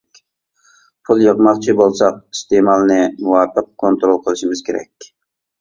پۇل يىغماقچى بولساق ئىستېمالنى مۇۋاپىق كونترول قىلىشىمىز كېرەك.